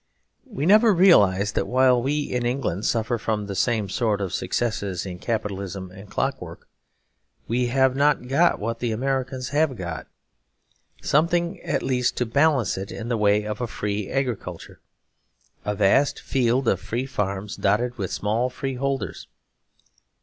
We never realise that while we in England suffer from the same sort of successes in capitalism and clockwork, we have not got what the Americans have got; something at least to balance it in the way of a free agriculture, a vast field of free farms dotted with small freeholders.